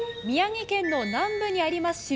宮城県の南部にあります